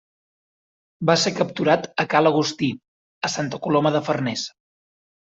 Va ser capturat a ca l'Agustí, a Santa Coloma de Farners.